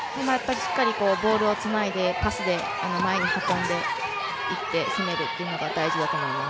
しっかりボールをつないでパスで前に運んでいって攻めるというのが大事だと思います。